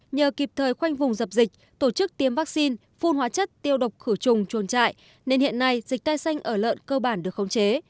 nhờ kịp thời khoanh vùng dập dịch tổ chức tiêm vaccine phun hóa chất tiêu độc khử trùng chuồn trại nên hiện nay dịch cây xanh ở lợn cơ bản được khống chế